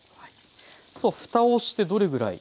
さあふたをしてどれぐらい？